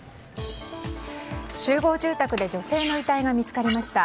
集合住宅で女性の遺体が見つかりました。